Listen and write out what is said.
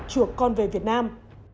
con về việt nam